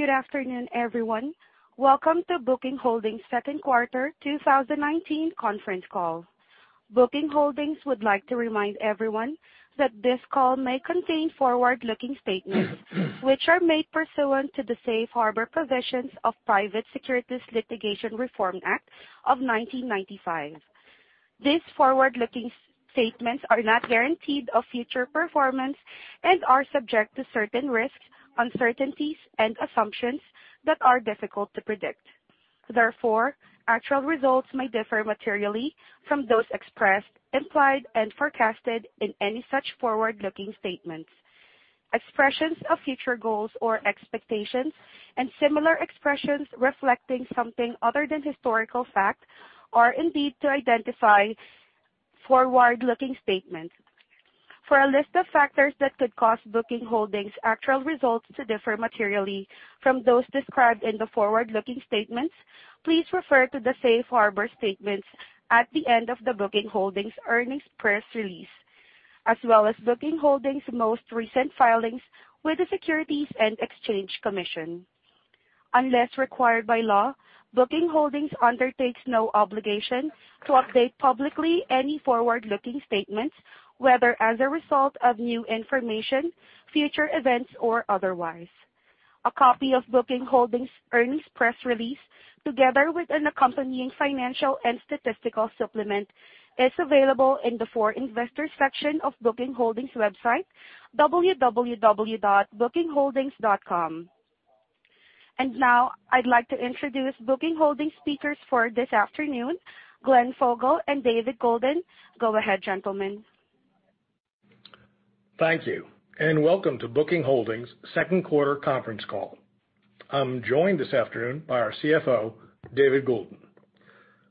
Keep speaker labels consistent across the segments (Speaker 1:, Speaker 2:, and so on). Speaker 1: Good afternoon, everyone. Welcome to Booking Holdings' second quarter 2019 conference call. Booking Holdings would like to remind everyone that this call may contain forward-looking statements which are made pursuant to the safe harbor provisions of Private Securities Litigation Reform Act of 1995. These forward-looking statements are not guarantees of future performance and are subject to certain risks, uncertainties, and assumptions that are difficult to predict. Therefore, actual results may differ materially from those expressed, implied, and forecasted in any such forward-looking statements. Expressions of future goals or expectations and similar expressions reflecting something other than historical fact are intended to identify forward-looking statements. For a list of factors that could cause Booking Holdings' actual results to differ materially from those described in the forward-looking statements, please refer to the safe harbor statements at the end of the Booking Holdings earnings press release, as well as Booking Holdings' most recent filings with the Securities and Exchange Commission. Unless required by law, Booking Holdings undertakes no obligation to update publicly any forward-looking statements, whether as a result of new information, future events, or otherwise. A copy of Booking Holdings earnings press release, together with an accompanying financial and statistical supplement, is available in the For Investors section of Booking Holdings' website, www.bookingholdings.com. Now I'd like to introduce Booking Holdings' speakers for this afternoon, Glenn Fogel and David Goulden. Go ahead, gentlemen.
Speaker 2: Thank you, and welcome to Booking Holdings' second quarter conference call. I'm joined this afternoon by our CFO, David Goulden.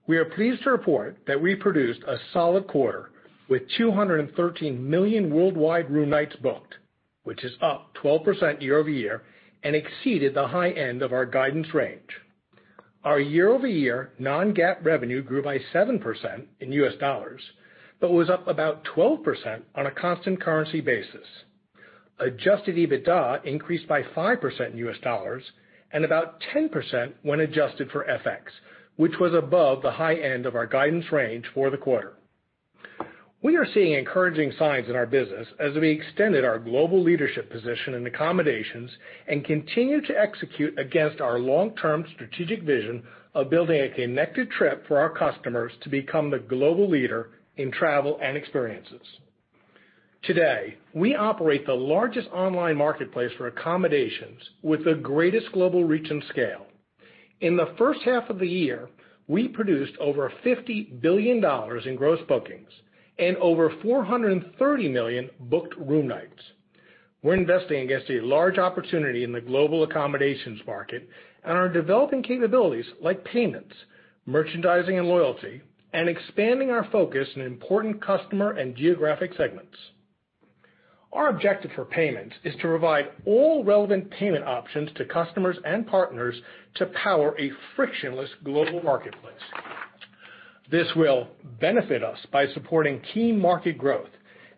Speaker 2: We are pleased to report that we produced a solid quarter with 213 million worldwide room nights booked, which is up 12% year-over-year and exceeded the high end of our guidance range. Our year-over-year non-GAAP revenue grew by 7% in U.S. dollars, but was up about 12% on a constant currency basis. Adjusted EBITDA increased by 5% in U.S. dollars and about 10% when adjusted for FX, which was above the high end of our guidance range for the quarter. We are seeing encouraging signs in our business as we extended our global leadership position in accommodations and continue to execute against our long-term strategic vision of building a connected trip for our customers to become the global leader in travel and experiences. Today, we operate the largest online marketplace for accommodations with the greatest global reach and scale. In the first half of the year, we produced over $50 billion in gross bookings and over 430 million booked room nights. We're investing against a large opportunity in the global accommodations market and are developing capabilities like payments, merchandising and loyalty, and expanding our focus in important customer and geographic segments. Our objective for payments is to provide all relevant payment options to customers and partners to power a frictionless global marketplace. This will benefit us by supporting key market growth,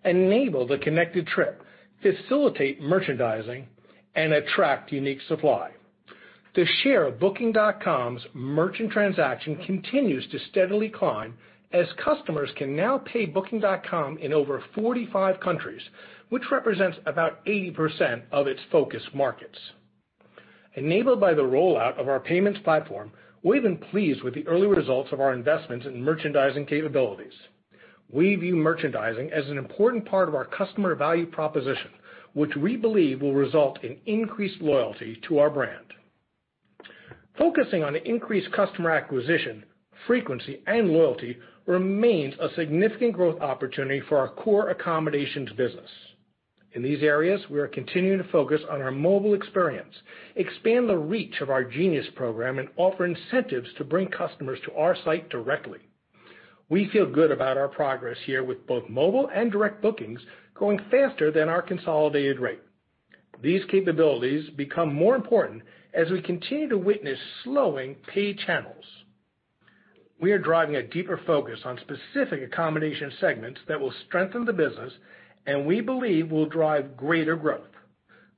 Speaker 2: enable the connected trip, facilitate merchandising, and attract unique supply. The share of Booking.com's merchant transaction continues to steadily climb as customers can now pay Booking.com in over 45 countries, which represents about 80% of its focus markets. Enabled by the rollout of our payments platform, we've been pleased with the early results of our investments in merchandising capabilities. We view merchandising as an important part of our customer value proposition, which we believe will result in increased loyalty to our brand. Focusing on increased customer acquisition, frequency, and loyalty remains a significant growth opportunity for our core accommodations business. In these areas, we are continuing to focus on our mobile experience, expand the reach of our Genius program, and offer incentives to bring customers to our site directly. We feel good about our progress here with both mobile and direct Bookings going faster than our consolidated rate. These capabilities become more important as we continue to witness slowing pay channels. We are driving a deeper focus on specific accommodation segments that will strengthen the business, and we believe will drive greater growth.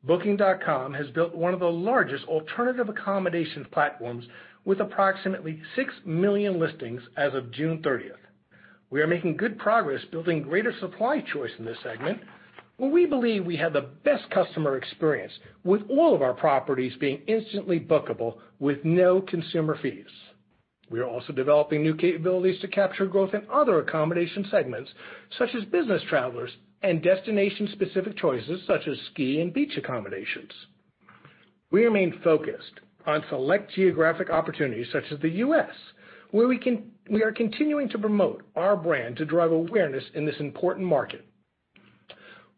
Speaker 2: Booking.com has built one of the largest alternative accommodations platforms with approximately 6 million listings as of June thirtieth. We are making good progress building greater supply choice in this segment, where we believe we have the best customer experience with all of our properties being instantly bookable with no consumer fees. We are also developing new capabilities to capture growth in other accommodation segments, such as business travelers and destination-specific choices such as ski and beach accommodations. We remain focused on select geographic opportunities such as the U.S., where we are continuing to promote our brand to drive awareness in this important market.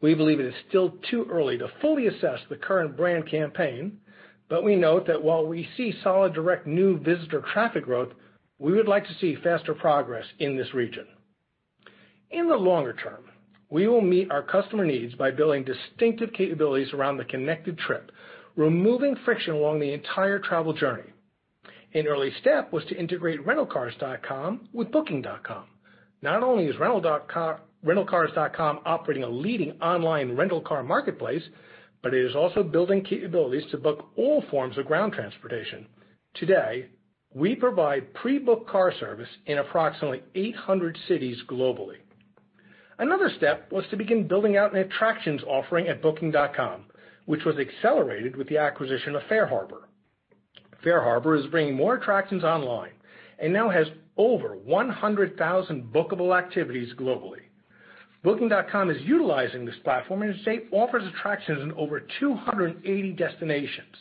Speaker 2: We believe it is still too early to fully assess the current brand campaign, but we note that while we see solid direct new visitor traffic growth, we would like to see faster progress in this region. In the longer term, we will meet our customer needs by building distinctive capabilities around the connected trip, removing friction along the entire travel journey. An early step was to integrate Rentalcars.com with Booking.com. Not only is Rentalcars.com operating a leading online rental car marketplace, but it is also building capabilities to book all forms of ground transportation. Today, we provide pre-booked car service in approximately 800 cities globally. Another step was to begin building out an attractions offering at Booking.com, which was accelerated with the acquisition of FareHarbor. FareHarbor is bringing more attractions online and now has over 100,000 bookable activities globally. Booking.com is utilizing this platform and offers attractions in over 280 destinations.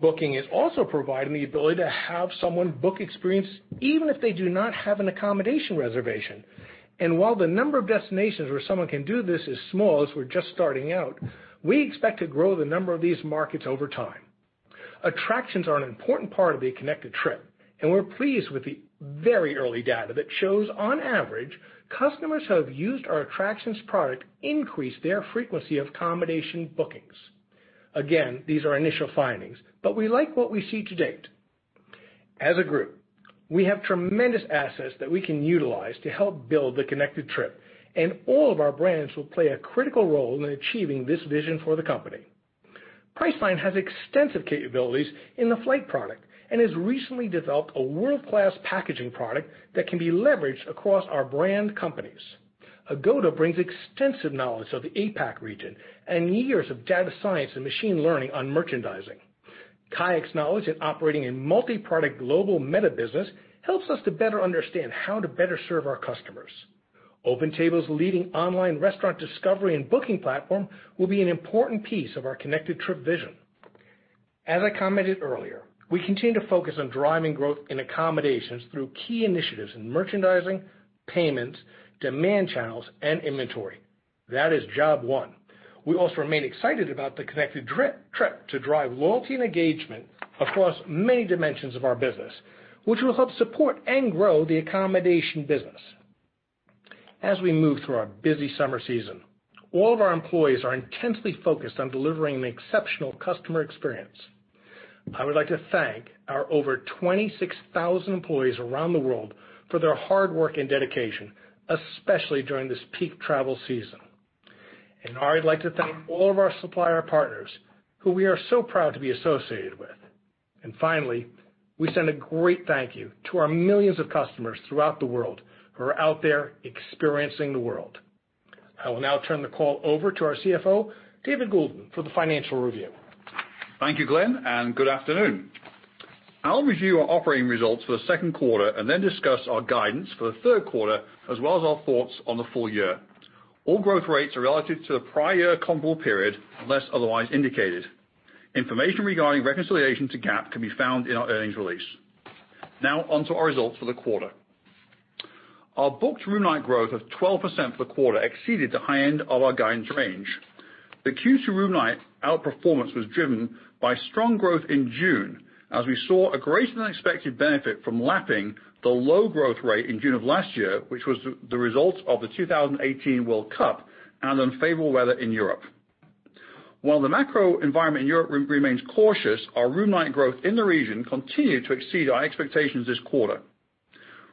Speaker 2: Booking is also providing the ability to have someone book experience even if they do not have an accommodation reservation. While the number of destinations where someone can do this is small, as we're just starting out, we expect to grow the number of these markets over time. Attractions are an important part of the connected trip, and we're pleased with the very early data that shows, on average, customers who have used our attractions product increase their frequency of accommodation Bookings. Again, these are initial findings, but we like what we see to date. As a group, we have tremendous assets that we can utilize to help build the connected trip, and all of our brands will play a critical role in achieving this vision for the company. Priceline has extensive capabilities in the flight product and has recently developed a world-class packaging product that can be leveraged across our brand companies. Agoda brings extensive knowledge of the APAC region and years of data science and machine learning on merchandising. KAYAK's knowledge at operating a multi-product global meta business helps us to better understand how to better serve our customers. OpenTable's leading online restaurant discovery and booking platform will be an important piece of our connected trip vision. As I commented earlier, we continue to focus on driving growth in accommodations through key initiatives in merchandising, payments, demand channels, and inventory. That is job one. We also remain excited about the connected trip to drive loyalty and engagement across many dimensions of our business, which will help support and grow the accommodation business. As we move through our busy summer season, all of our employees are intensely focused on delivering an exceptional customer experience. I would like to thank our over 26,000 employees around the world for their hard work and dedication, especially during this peak travel season. I'd like to thank all of our supplier partners who we are so proud to be associated with. Finally, we send a great thank you to our millions of customers throughout the world who are out there experiencing the world. I will now turn the call over to our CFO, David Goulden, for the financial review.
Speaker 3: Thank you, Glenn, and good afternoon. I'll review our operating results for the second quarter and then discuss our guidance for the third quarter as well as our thoughts on the full year. All growth rates are relative to the prior comparable period, unless otherwise indicated. Information regarding reconciliation to GAAP can be found in our earnings release. On to our results for the quarter. Our booked room night growth of 12% for the quarter exceeded the high end of our guidance range. The Q2 room night outperformance was driven by strong growth in June as we saw a greater-than-expected benefit from lapping the low growth rate in June of last year, which was the result of the 2018 World Cup and unfavorable weather in Europe. While the macro environment in Europe remains cautious, our room night growth in the region continued to exceed our expectations this quarter.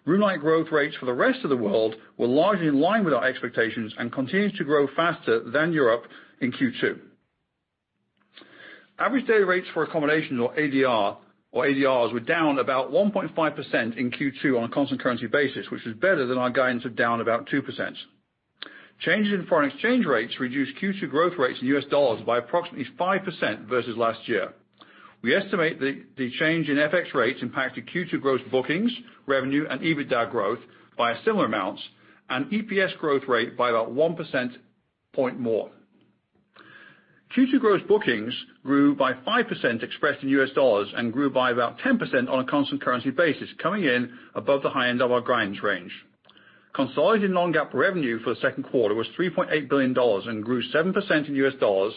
Speaker 3: Room night growth rates for the rest of the world were largely in line with our expectations and continued to grow faster than Europe in Q2. Average Daily Rates for accommodations, or ADRs, were down about 1.5% in Q2 on a constant currency basis, which is better than our guidance of down about 2%. Changes in foreign exchange rates reduced Q2 growth rates in U.S. dollars by approximately 5% versus last year. We estimate the change in FX rates impacted Q2 gross bookings, revenue, and EBITDA growth by similar amounts and EPS growth rate by about one percent point more. Q2 gross bookings grew by 5% expressed in U.S. dollars and grew by about 10% on a constant currency basis, coming in above the high end of our guidance range. Consolidated non-GAAP revenue for the second quarter was $3.8 billion and grew 7% in US dollars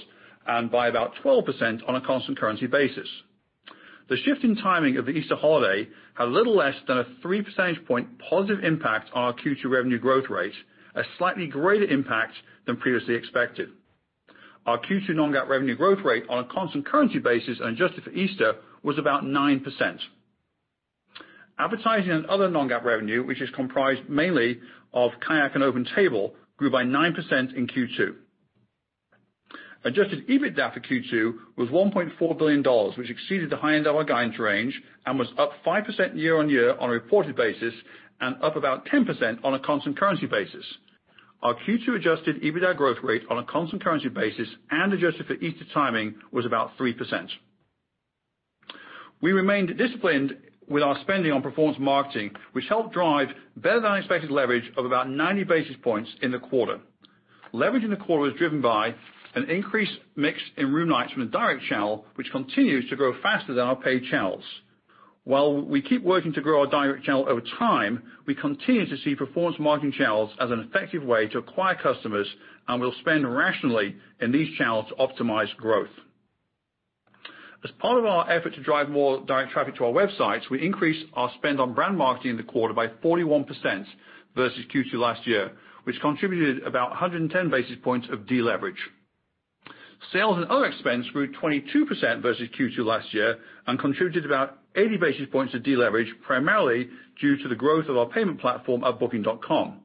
Speaker 3: and by about 12% on a constant currency basis. The shift in timing of the Easter holiday had a little less than a three percentage point positive impact on our Q2 revenue growth rate, a slightly greater impact than previously expected. Our Q2 non-GAAP revenue growth rate on a constant currency basis and adjusted for Easter was about 9%. Advertising and other non-GAAP revenue, which is comprised mainly of KAYAK and OpenTable, grew by 9% in Q2. Adjusted EBITDA for Q2 was $1.4 billion, which exceeded the high end of our guidance range and was up 5% year-on-year on a reported basis and up about 10% on a constant currency basis. Our Q2 adjusted EBITDA growth rate on a constant currency basis and adjusted for Easter timing was about 3%. We remained disciplined with our spending on performance marketing, which helped drive better-than-expected leverage of about 90 basis points in the quarter. Leverage in the quarter was driven by an increased mix in room nights from the direct channel, which continues to grow faster than our paid channels. While we keep working to grow our direct channel over time, we continue to see performance marketing channels as an effective way to acquire customers, and we'll spend rationally in these channels to optimize growth. As part of our effort to drive more direct traffic to our websites, we increased our spend on brand marketing in the quarter by 41% versus Q2 last year, which contributed about 110 basis points of deleverage. Sales and other expense grew 22% versus Q2 last year and contributed about 80 basis points to deleverage, primarily due to the growth of our payment platform at Booking.com.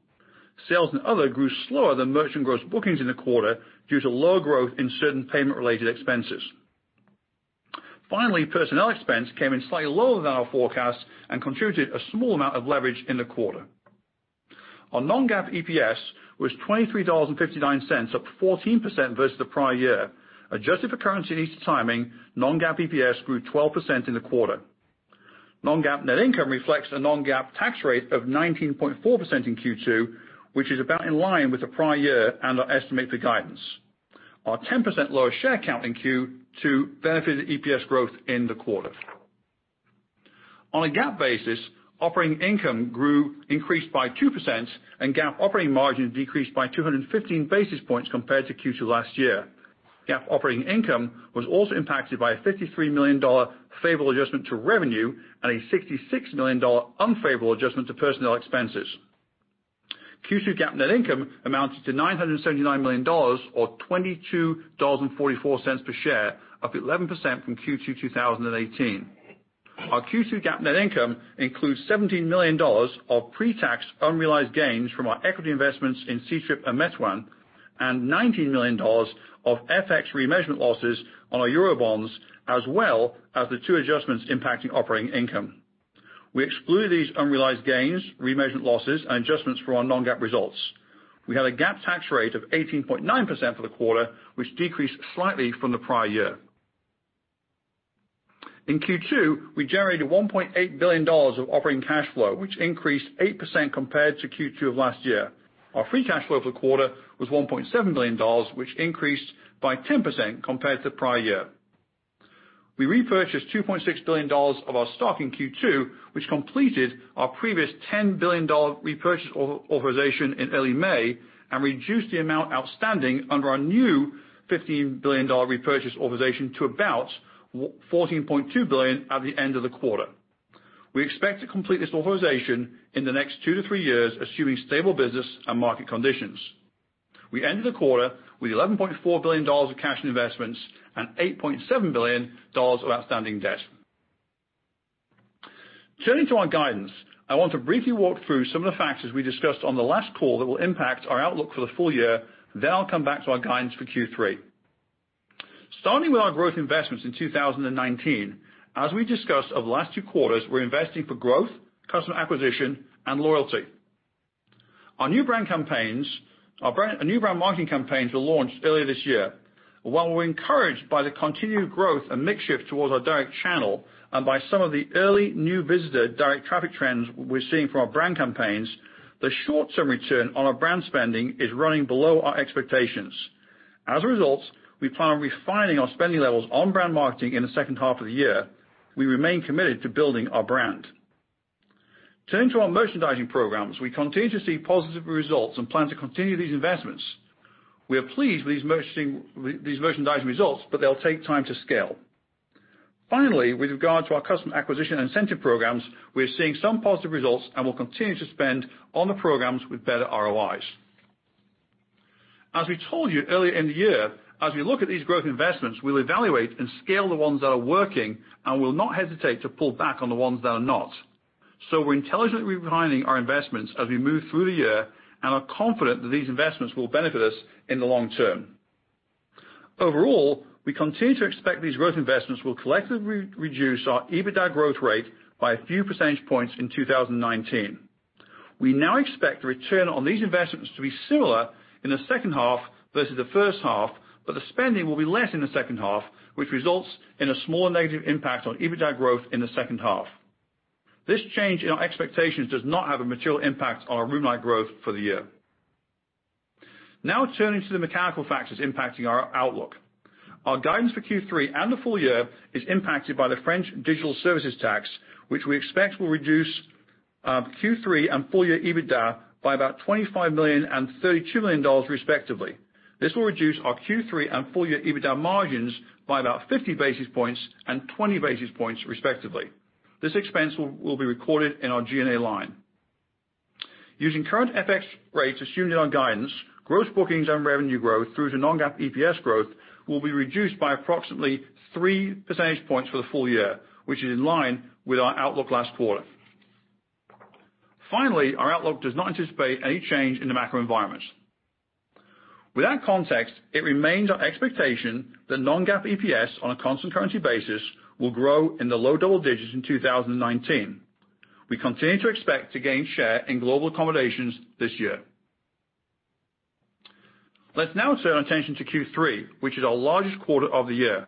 Speaker 3: Sales and other grew slower than merchant gross bookings in the quarter due to lower growth in certain payment-related expenses. Finally, personnel expense came in slightly lower than our forecast and contributed a small amount of leverage in the quarter. Our non-GAAP EPS was $23.59, up 14% versus the prior year. Adjusted for currency and lease timing, non-GAAP EPS grew 12% in the quarter. Non-GAAP net income reflects a non-GAAP tax rate of 19.4% in Q2, which is about in line with the prior year and our estimate for guidance. Our 10% lower share count in Q2 benefited EPS growth in the quarter. On a GAAP basis, operating income increased by 2% and GAAP operating margin decreased by 215 basis points compared to Q2 last year. GAAP operating income was also impacted by a $53 million favorable adjustment to revenue and a $66 million unfavorable adjustment to personnel expenses. Q2 GAAP net income amounted to $979 million, or $22.44 per share, up 11% from Q2 2018. Our Q2 GAAP net income includes $17 million of pre-tax unrealized gains from our equity investments in Ctrip and Meituan, and $19 million of FX remeasurement losses on our euro bonds, as well as the two adjustments impacting operating income. We exclude these unrealized gains, remeasurement losses, and adjustments for our non-GAAP results. We had a GAAP tax rate of 18.9% for the quarter, which decreased slightly from the prior year. In Q2, we generated $1.8 billion of operating cash flow, which increased 8% compared to Q2 of last year. Our free cash flow for the quarter was $1.7 billion, which increased by 10% compared to the prior year. We repurchased $2.6 billion of our stock in Q2, which completed our previous $10 billion repurchase authorization in early May and reduced the amount outstanding under our new $15 billion repurchase authorization to about $14.2 billion at the end of the quarter. We expect to complete this authorization in the next two to three years, assuming stable business and market conditions. We ended the quarter with $11.4 billion of cash and investments and $8.7 billion of outstanding debt. Turning to our guidance, I want to briefly walk through some of the factors we discussed on the last call that will impact our outlook for the full year, then I'll come back to our guidance for Q3. Starting with our growth investments in 2019, as we discussed over the last two quarters, we're investing for growth, customer acquisition, and loyalty. Our new brand marketing campaigns were launched earlier this year. While we're encouraged by the continued growth and mix shift towards our direct channel and by some of the early new visitor direct traffic trends we're seeing from our brand campaigns, the short-term return on our brand spending is running below our expectations. As a result, we plan on refining our spending levels on brand marketing in the second half of the year. We remain committed to building our brand. Turning to our merchandising programs, we continue to see positive results and plan to continue these investments. We are pleased with these merchandising results, but they'll take time to scale. Finally, with regard to our customer acquisition incentive programs, we are seeing some positive results and will continue to spend on the programs with better ROIs. As we told you earlier in the year, as we look at these growth investments, we'll evaluate and scale the ones that are working and will not hesitate to pull back on the ones that are not. We're intelligently refining our investments as we move through the year and are confident that these investments will benefit us in the long term. Overall, we continue to expect these growth investments will collectively reduce our EBITDA growth rate by a few percentage points in 2019. We now expect the return on these investments to be similar in the second half versus the first half, but the spending will be less in the second half, which results in a small negative impact on EBITDA growth in the second half. This change in our expectations does not have a material impact on our room night growth for the year. Turning to the mechanical factors impacting our outlook. Our guidance for Q3 and the full year is impacted by the French digital services tax, which we expect will reduce Q3 and full year EBITDA by about $25 million and $32 million, respectively. This will reduce our Q3 and full year EBITDA margins by about 50 basis points and 20 basis points, respectively. This expense will be recorded in our G&A line. Using current FX rates assumed in our guidance, gross bookings and revenue growth through to non-GAAP EPS growth will be reduced by approximately three percentage points for the full year, which is in line with our outlook last quarter. Our outlook does not anticipate any change in the macro environment. With that context, it remains our expectation that non-GAAP EPS on a constant currency basis will grow in the low double digits in 2019. We continue to expect to gain share in global accommodations this year. Let's now turn our attention to Q3, which is our largest quarter of the year.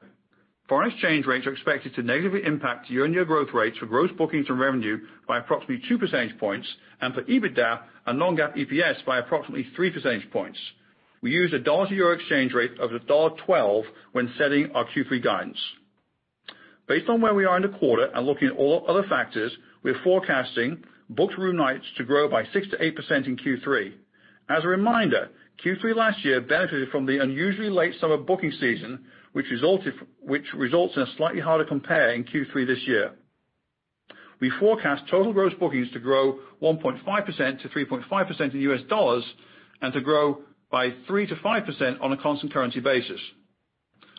Speaker 3: Foreign exchange rates are expected to negatively impact year-on-year growth rates for gross bookings and revenue by approximately two percentage points and for EBITDA and non-GAAP EPS by approximately three percentage points. We use a dollar to euro exchange rate of $1.12 when setting our Q3 guidance. Based on where we are in the quarter and looking at all other factors, we are forecasting booked room nights to grow by 6%-8% in Q3. As a reminder, Q3 last year benefited from the unusually late summer booking season, which results in a slightly harder compare in Q3 this year. We forecast total gross bookings to grow 1.5%-3.5% in U.S. dollars and to grow by 3%-5% on a constant currency basis.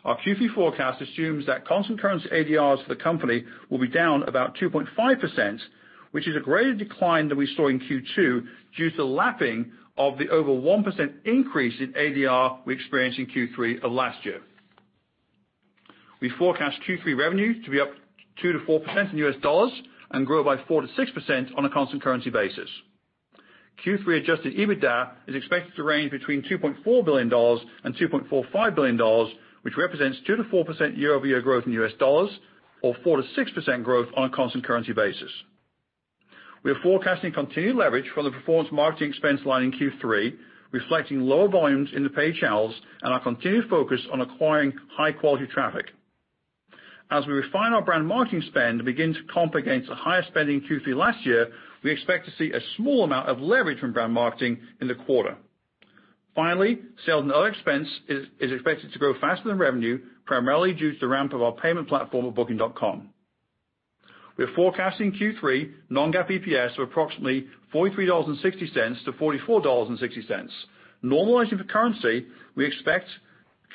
Speaker 3: Our Q3 forecast assumes that constant currency ADRs for the company will be down about 2.5%, which is a greater decline than we saw in Q2 due to the lapping of the over 1% increase in ADR we experienced in Q3 of last year. We forecast Q3 revenue to be up 2%-4% in U.S. dollars and grow by 4%-6% on a constant currency basis. Q3 adjusted EBITDA is expected to range between $2.4 billion and $2.45 billion, which represents 2%-4% year-over-year growth in U.S. dollars or 4%-6% growth on a constant currency basis. We are forecasting continued leverage from the performance marketing expense line in Q3, reflecting lower volumes in the paid channels and our continued focus on acquiring high-quality traffic. As we refine our brand marketing spend and begin to comp against the higher spending in Q3 last year, we expect to see a small amount of leverage from brand marketing in the quarter. Sale and other expense is expected to grow faster than revenue, primarily due to the ramp of our payment platform at Booking.com. We are forecasting Q3 non-GAAP EPS of approximately $43.60-$44.60. Normalizing for currency, we expect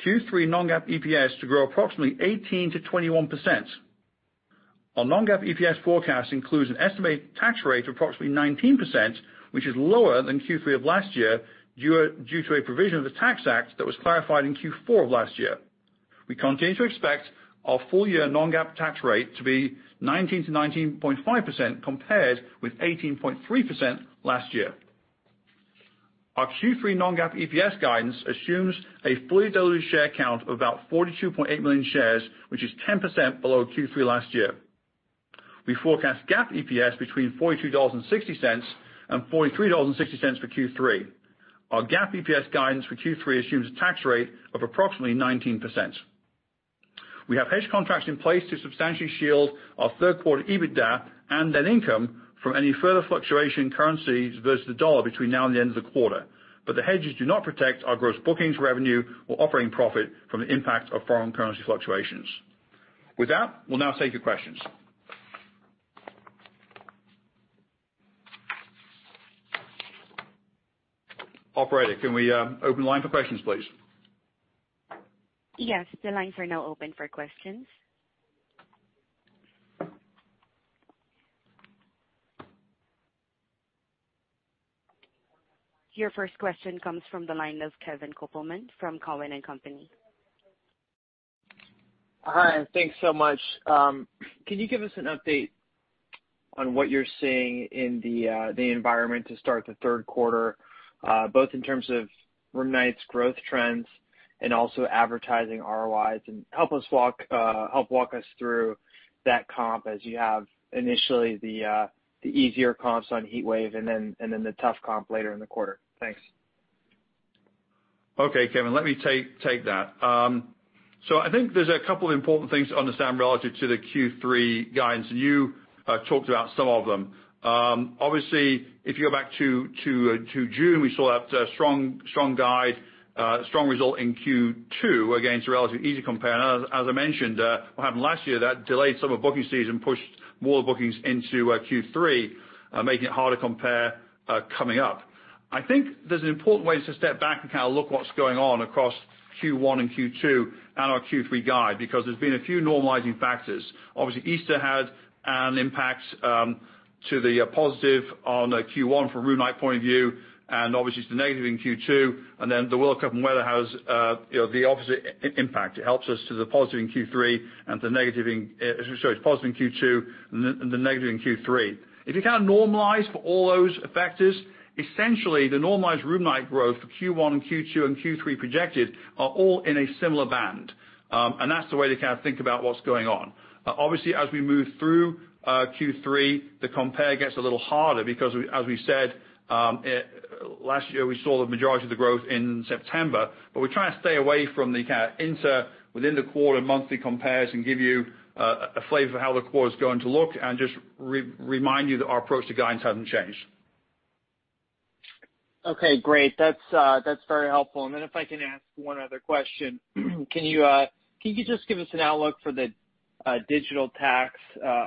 Speaker 3: Q3 non-GAAP EPS to grow approximately 18%-21%. Our non-GAAP EPS forecast includes an estimated tax rate of approximately 19%, which is lower than Q3 of last year due to a provision of the Tax Act that was clarified in Q4 of last year. We continue to expect our full-year non-GAAP tax rate to be 19%-19.5%, compared with 18.3% last year. Our Q3 non-GAAP EPS guidance assumes a fully diluted share count of about 42.8 million shares, which is 10% below Q3 last year. We forecast GAAP EPS between $42.60 and $43.60 for Q3. Our GAAP EPS guidance for Q3 assumes a tax rate of approximately 19%. We have hedge contracts in place to substantially shield our third quarter EBITDA and net income from any further fluctuation in currencies versus the dollar between now and the end of the quarter, but the hedges do not protect our gross bookings revenue or operating profit from the impact of foreign currency fluctuations. With that, we'll now take your questions. Operator, can we open the line for questions, please?
Speaker 1: Yes. The lines are now open for questions. Your first question comes from the line of Kevin Kopelman from Cowen and Company.
Speaker 4: Hi, thanks so much. Can you give us an update on what you're seeing in the environment to start the third quarter, both in terms of room nights growth trends and also advertising ROIs? Help walk us through that comp as you have initially the easier comps on Heatwave and then the tough comp later in the quarter. Thanks.
Speaker 3: Okay, Kevin, let me take that. I think there's a couple important things to understand relative to the Q3 guidance, and you talked about some of them. Obviously, if you go back to June, we saw that strong guide, strong result in Q2 against a relatively easy compare. As I mentioned, what happened last year, that delayed summer booking season pushed more bookings into Q3, making it harder compare coming up. I think there's an important way to step back and look what's going on across Q1 and Q2 and our Q3 guide, because there's been a few normalizing factors. Obviously, Easter had an impact to the positive on Q1 from a room night point of view, and obviously to the negative in Q2, the World Cup and weather has the opposite impact. It helps us to the positive in Q2 and the negative in Q3. If you kind of normalize for all those factors, essentially the normalized room night growth for Q1 and Q2 and Q3 projected are all in a similar band. That's the way to think about what's going on. Obviously, as we move through Q3, the compare gets a little harder because as we said, last year we saw the majority of the growth in September, but we're trying to stay away from the inter within the quarter monthly compares and give you a flavor for how the quarter is going to look and just remind you that our approach to guidance hasn't changed.
Speaker 4: Okay, great. That's very helpful. If I can ask one other question, can you just give us an outlook for the digital tax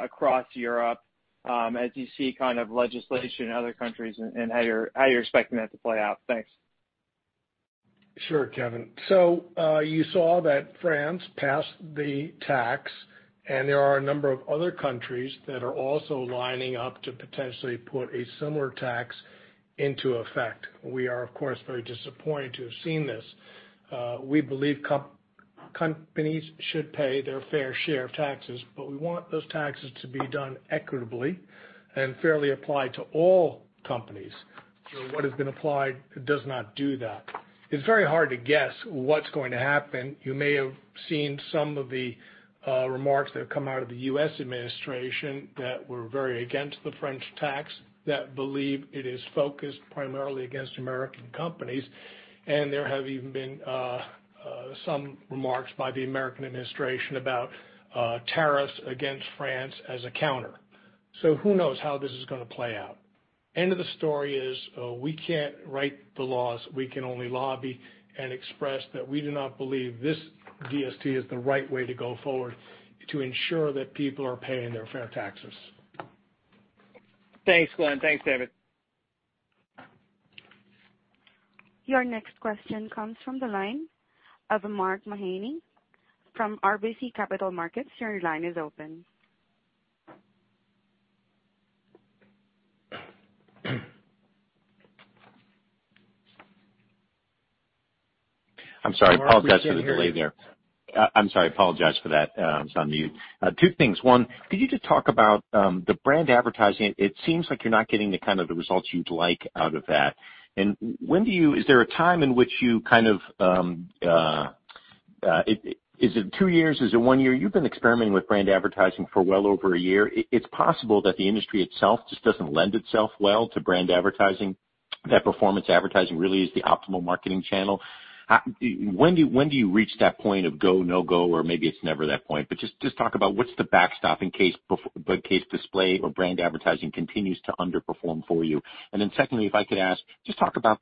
Speaker 4: across Europe as you see legislation in other countries, and how you're expecting that to play out? Thanks.
Speaker 2: Sure, Kevin. You saw that France passed the tax, and there are a number of other countries that are also lining up to potentially put a similar tax into effect. We are, of course, very disappointed to have seen this. We believe companies should pay their fair share of taxes, but we want those taxes to be done equitably and fairly applied to all companies. What has been applied does not do that. It's very hard to guess what's going to happen. You may have seen some of the remarks that have come out of the U.S. administration that were very against the French tax, that believe it is focused primarily against American companies, and there have even been some remarks by the American administration about tariffs against France as a counter. Who knows how this is going to play out? End of the story is we can't write the laws, we can only lobby and express that we do not believe this DST is the right way to go forward to ensure that people are paying their fair taxes.
Speaker 5: Thanks, Glenn. Thanks, David.
Speaker 1: Your next question comes from the line of Mark Mahaney from RBC Capital Markets. Your line is open.
Speaker 5: I'm sorry. Apologize for the delay there. Mark, we can't hear you. I'm sorry. Apologize for that. I was on mute. Two things. One, could you just talk about the brand advertising? It seems like you're not getting the kind of results you'd like out of that. Is there a time in which you kind of. Is it two years? Is it one year? You've been experimenting with brand advertising for well over a year. It's possible that the industry itself just doesn't lend itself well to brand advertising, that performance advertising really is the optimal marketing channel. When do you reach that point of go, no go? Maybe it's never that point, but just talk about what's the backstop in case display or brand advertising continues to underperform for you. Secondly, if I could ask, just talk about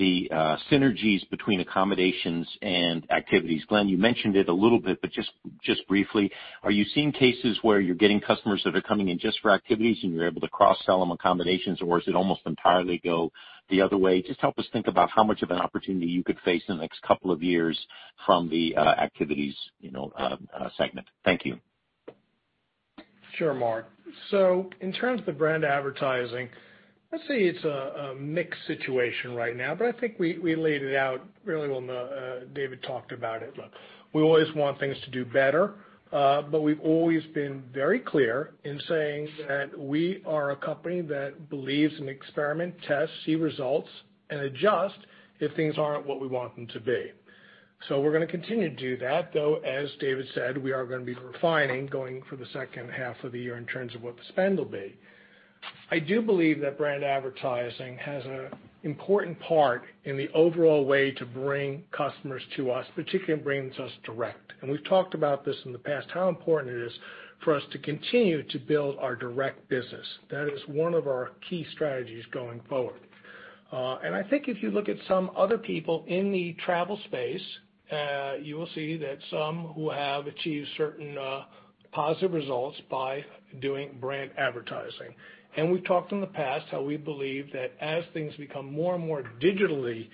Speaker 5: the synergies between accommodations and activities. Glenn, you mentioned it a little bit, but just briefly, are you seeing cases where you're getting customers that are coming in just for activities and you're able to cross-sell them accommodations? Or does it almost entirely go the other way? Just help us think about how much of an opportunity you could face in the next couple of years from the activities segment. Thank you.
Speaker 2: Sure, Mark. In terms of the brand advertising, let's say it's a mixed situation right now, but I think we laid it out really when David talked about it. Look, we always want things to do better, but we've always been very clear in saying that we are a company that believes in experiment, test, see results, and adjust if things aren't what we want them to be. We're going to continue to do that, though, as David said, we are going to be refining going for the second half of the year in terms of what the spend will be. I do believe that brand advertising has an important part in the overall way to bring customers to us, particularly in bringing to us direct. We've talked about this in the past, how important it is for us to continue to build our direct business. That is one of our key strategies going forward. I think if you look at some other people in the travel space, you will see that some who have achieved certain positive results by doing brand advertising. we've talked in the past how we believe that as things become more and more digitally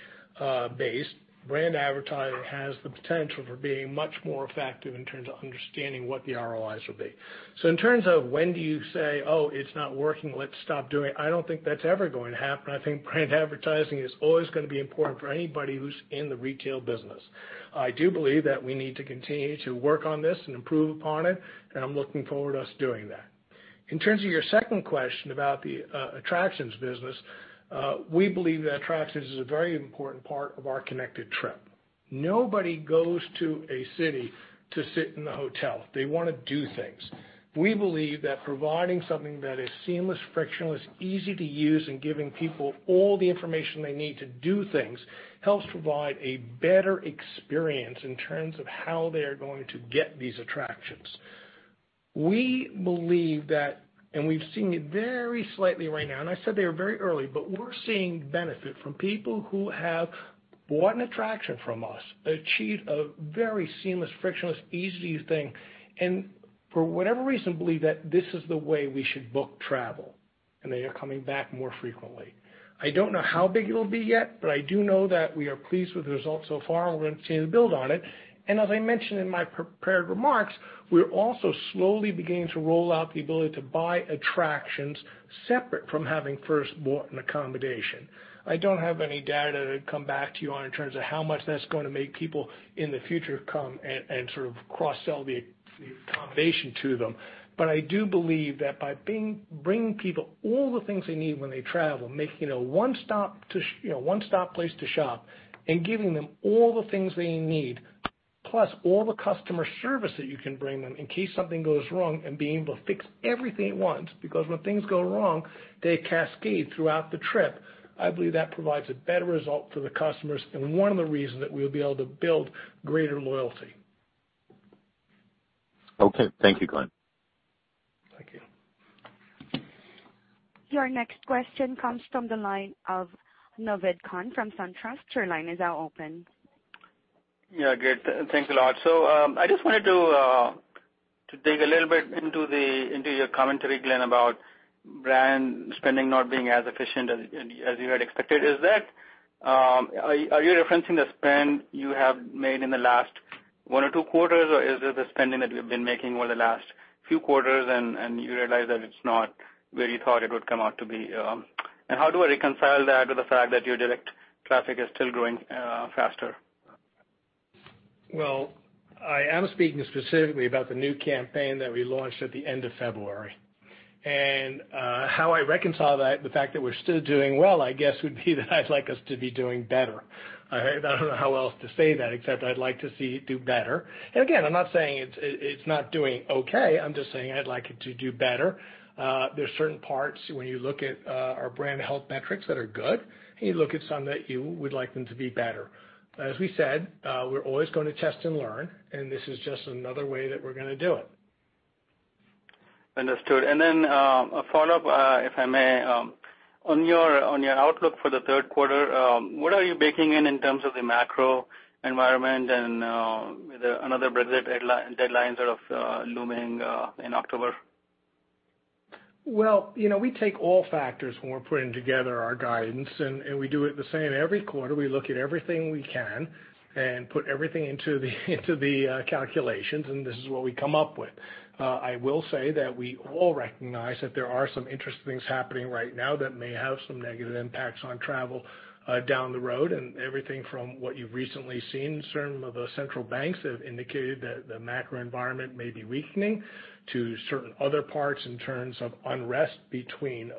Speaker 2: based, brand advertising has the potential for being much more effective in terms of understanding what the ROIs will be. In terms of when do you say, "Oh, it's not working, let's stop doing it," I don't think that's ever going to happen. I think brand advertising is always going to be important for anybody who's in the retail business. I do believe that we need to continue to work on this and improve upon it, and I'm looking forward to us doing that. In terms of your second question about the attractions business, we believe that attractions is a very important part of our connected trip. Nobody goes to a city to sit in the hotel. They want to do things. We believe that providing something that is seamless, frictionless, easy to use, and giving people all the information they need to do things helps provide a better experience in terms of how they are going to get these attractions. We believe that, and we've seen it very slightly right now, and I said they are very early, but we're seeing benefit from people who have bought an attraction from us, achieved a very seamless, frictionless, easy thing, and for whatever reason, believe that this is the way we should book travel, and they are coming back more frequently. I don't know how big it'll be yet. I do know that we are pleased with the results so far. We're going to continue to build on it. As I mentioned in my prepared remarks, we're also slowly beginning to roll out the ability to buy attractions separate from having first bought an accommodation. I don't have any data to come back to you on in terms of how much that's going to make people in the future come and sort of cross-sell the accommodation to them. I do believe that by bringing people all the things they need when they travel, making a one-stop place to shop and giving them all the things they need, plus all the customer service that you can bring them in case something goes wrong and being able to fix everything at once, because when things go wrong, they cascade throughout the trip. I believe that provides a better result for the customers and one of the reasons that we'll be able to build greater loyalty.
Speaker 5: Okay. Thank you, Glenn.
Speaker 2: Thank you.
Speaker 1: Your next question comes from the line of Naved Khan from SunTrust. Your line is now open.
Speaker 6: Yeah, great. Thanks a lot. I just wanted to dig a little bit into your commentary, Glenn, about brand spending not being as efficient as you had expected. Are you referencing the spend you have made in the last one or two quarters or is it the spending that you've been making over the last few quarters and you realize that it's not where you thought it would come out to be? How do I reconcile that to the fact that your direct traffic is still growing faster?
Speaker 2: Well, I am speaking specifically about the new campaign that we launched at the end of February. How I reconcile that, the fact that we're still doing well, I guess, would be that I'd like us to be doing better. I don't know how else to say that except I'd like to see it do better. Again, I'm not saying it's not doing okay. I'm just saying I'd like it to do better. There's certain parts when you look at our brand health metrics that are good, and you look at some that you would like them to be better. As we said, we're always going to test and learn, and this is just another way that we're going to do it.
Speaker 3: Understood. Then a follow-up, if I may. On your outlook for the third quarter, what are you baking in terms of the macro environment and with another Brexit deadline sort of looming in October?
Speaker 2: Well, we take all factors when we're putting together our guidance. We do it the same every quarter. We look at everything we can and put everything into the calculations. This is what we come up with. I will say that we all recognize that there are some interesting things happening right now that may have some negative impacts on travel down the road. Everything from what you've recently seen, certain of the central banks have indicated that the macro environment may be weakening to certain other parts in terms of unrest between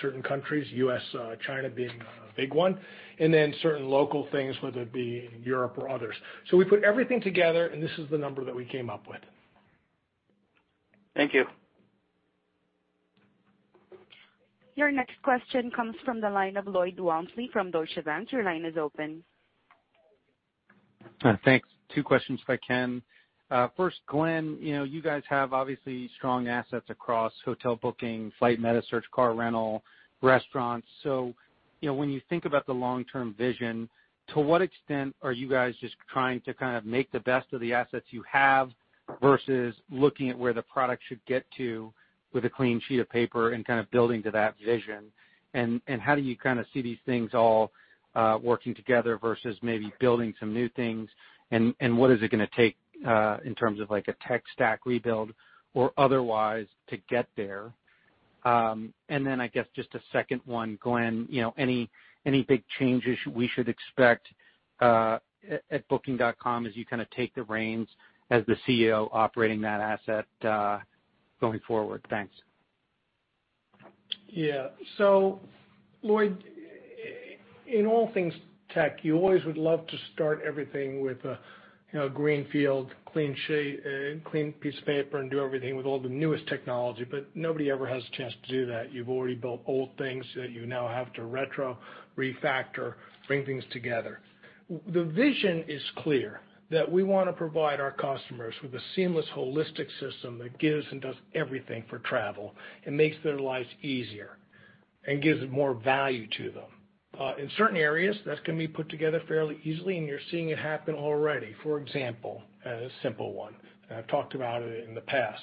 Speaker 2: certain countries, U.S., China being a big one, and then certain local things, whether it be Europe or others. We put everything together. This is the number that we came up with.
Speaker 6: Thank you.
Speaker 1: Your next question comes from the line of Lloyd Walmsley from Deutsche Bank. Your line is open.
Speaker 7: Thanks. Two questions if I can. First, Glenn, you guys have obviously strong assets across hotel booking, flight meta search, car rental, restaurants. When you think about the long-term vision, to what extent are you guys just trying to make the best of the assets you have versus looking at where the product should get to with a clean sheet of paper and building to that vision? How do you see these things all working together versus maybe building some new things? What is it going to take in terms of a tech stack rebuild or otherwise to get there? I guess just a second one, Glenn, any big changes we should expect at Booking.com as you take the reins as the CEO operating that asset going forward? Thanks.
Speaker 2: Yeah. Lloyd, in all things tech, you always would love to start everything with a greenfield, clean piece of paper and do everything with all the newest technology. Nobody ever has a chance to do that. You've already built old things that you now have to retro, refactor, bring things together. The vision is clear, that we want to provide our customers with a seamless, holistic system that gives and does everything for travel and makes their lives easier and gives more value to them. In certain areas, that's going to be put together fairly easily, and you're seeing it happen already. For example, a simple one, and I've talked about it in the past.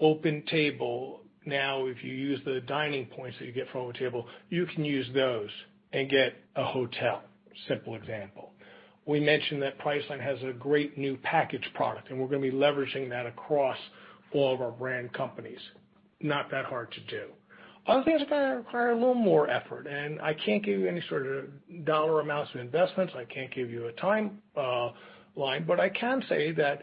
Speaker 2: OpenTable, now if you use the dining points that you get from OpenTable, you can use those and get a hotel. Simple example. We mentioned that Priceline has a great new package product, and we're going to be leveraging that across all of our brand companies. Not that hard to do. Other things are going to require a little more effort, and I can't give you any sort of dollar amounts of investments. I can't give you a timeline, but I can say that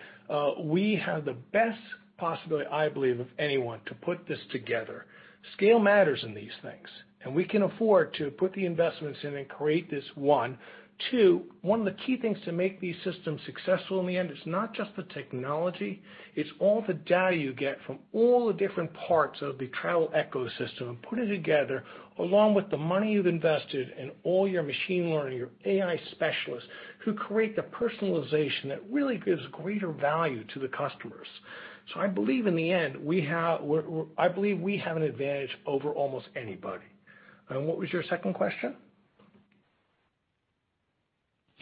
Speaker 2: we have the best possibility, I believe, of anyone to put this together. Scale matters in these things, and we can afford to put the investments in and create this. Two, one of the key things to make these systems successful in the end is not just the technology, it's all the data you get from all the different parts of the travel ecosystem and put it together along with the money you've invested and all your machine learning, your AI specialists who create the personalization that really gives greater value to the customers. I believe in the end, we have an advantage over almost anybody. What was your second question?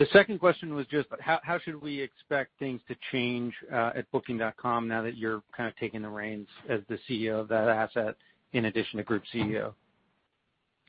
Speaker 7: The second question was just how should we expect things to change at Booking.com now that you're taking the reins as the CEO of that asset in addition to Group CEO?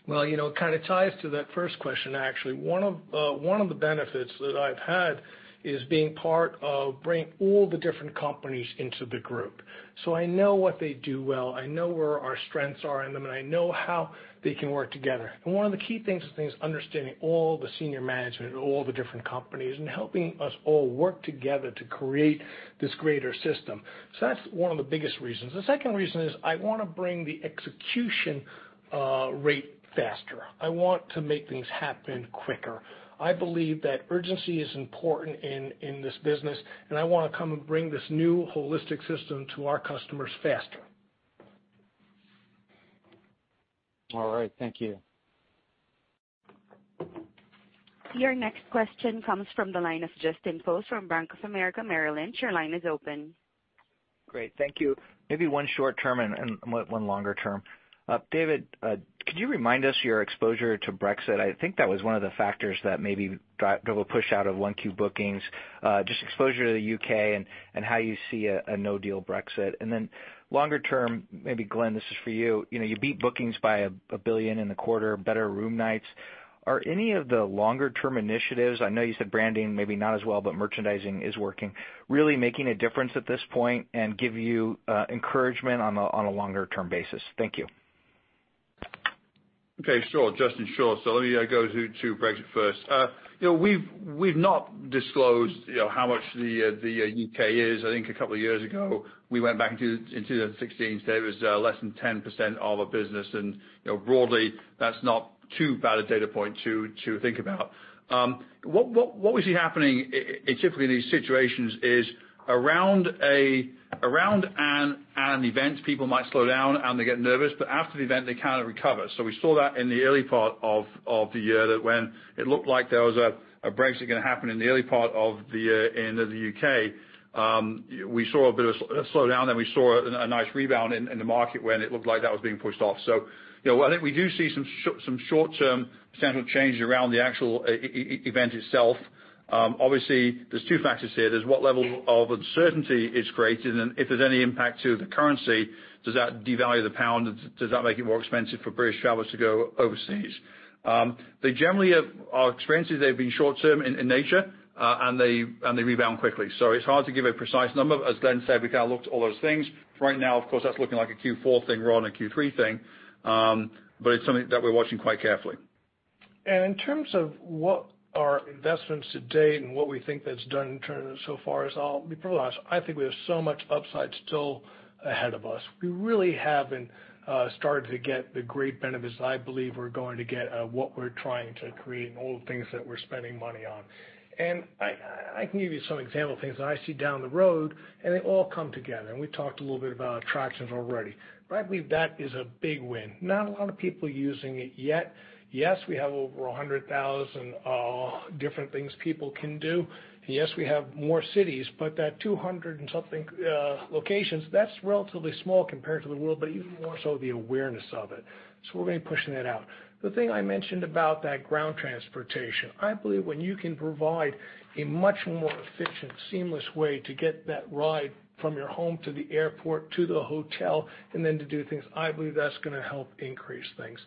Speaker 2: Well, it kind of ties to that first question, actually. One of the benefits that I've had is being part of bringing all the different companies into the group. I know what they do well, I know where our strengths are in them, I know how they can work together. One of the key things is understanding all the senior management at all the different companies and helping us all work together to create this greater system. That's one of the biggest reasons. The second reason is I want to bring the execution rate faster. I want to make things happen quicker. I believe that urgency is important in this business, I want to come and bring this new holistic system to our customers faster.
Speaker 7: All right. Thank you.
Speaker 1: Your next question comes from the line of Justin Post from Bank of America, Merrill Lynch. Your line is open.
Speaker 8: Great. Thank you. Maybe one short-term and one longer-term. David, could you remind us your exposure to Brexit? I think that was one of the factors that maybe drove a push out of 1Q bookings. Just exposure to the U.K. and how you see a no-deal Brexit. Longer term, maybe Glenn, this is for you. You beat bookings by $1 billion in the quarter, better room nights. Are any of the longer-term initiatives, I know you said branding maybe not as well, but merchandising is working, really making a difference at this point and give you encouragement on a longer-term basis? Thank you.
Speaker 3: Okay, sure, Justin. Sure. Let me go to Brexit first. We've not disclosed how much the U.K. is. I think a couple of years ago, we went back into 2016, said it was less than 10% of our business, and broadly, that's not too bad a data point to think about. What we see happening typically in these situations is around an event, people might slow down, and they get nervous, but after the event, they kind of recover. We saw that in the early part of the year, that when it looked like there was a Brexit going to happen in the early part of the year in the U.K., we saw a bit of a slowdown, then we saw a nice rebound in the market when it looked like that was being pushed off. I think we do see some short-term central changes around the actual event itself. Obviously, there's two factors here. There's what level of uncertainty it's created, and if there's any impact to the currency, does that devalue the pound? Does that make it more expensive for British travelers to go overseas? Generally, our experience is they've been short-term in nature, and they rebound quickly. It's hard to give a precise number. As Glenn said, we looked at all those things. Right now, of course, that's looking like a Q4 thing rather than a Q3 thing. It's something that we're watching quite carefully.
Speaker 2: In terms of what our investments to date and what we think that's done in terms of so far as I'll be paralyzed, I think we have so much upside still ahead of us. We really haven't started to get the great benefits that I believe we're going to get, what we're trying to create and all the things that we're spending money on. I can give you some example things that I see down the road, and they all come together. We talked a little bit about attractions already. I believe that is a big win. Not a lot of people using it yet. Yes, we have over 100,000 different things people can do. Yes, we have more cities, but that 200 and something locations, that's relatively small compared to the world, but even more so the awareness of it. We're going to be pushing that out. The thing I mentioned about that ground transportation, I believe when you can provide a much more efficient, seamless way to get that ride from your home to the airport to the hotel and then to do things, I believe that's going to help increase things.